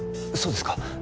そうですか？